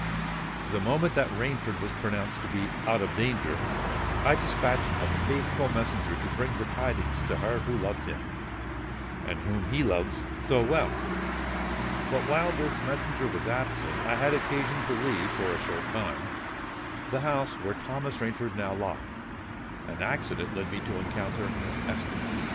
The moment that Rainford was pronounced to be out of danger, I despatched a faithful messenger to break the tidings to her who loves him, and whom he loves so well; but while this messenger was absent, I had occasion to leave, for a short time, the house where Thomas Rainford now lies; and accident led me to encounter Miss Esther.